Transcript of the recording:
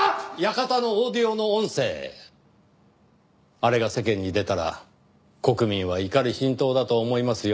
館のオーディオの音声あれが世間に出たら国民は怒り心頭だと思いますよ。